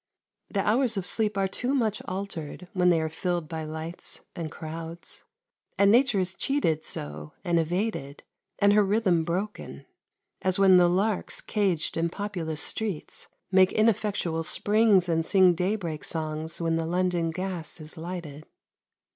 The hours of sleep are too much altered when they are filled by lights and crowds; and Nature is cheated so, and evaded, and her rhythm broken, as when the larks caged in populous streets make ineffectual springs and sing daybreak songs when the London gas is lighted.